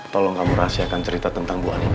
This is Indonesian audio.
tolong kamu rahasiakan cerita tentang buah ini